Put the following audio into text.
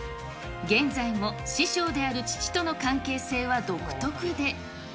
現在も師匠である父との関係性は独特で。